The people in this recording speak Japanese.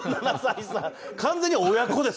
完全に親子です。